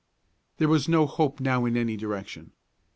There was no hope now in any direction.